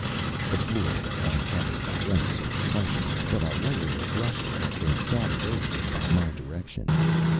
The floor was uncovered by any sort of carpet, but a layer of rushes had been scattered over it by my direction.